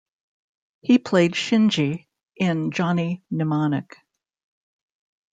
He played Shinji in "Johnny Mnemonic".